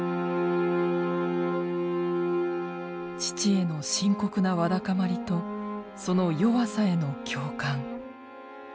父への深刻なわだかまりとその弱さへの共感。